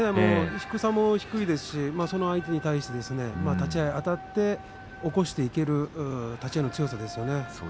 低さも低いですしその相手に対して立ち合いあたって起こしていける立ち合いの強さですよね。